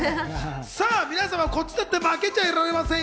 皆様、こっちだって負けていられませんよ。